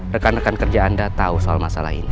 rekan rekan kerja anda tahu soal masalah ini